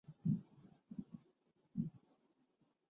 وہ محاربہ اور فساد فی الارض ہے۔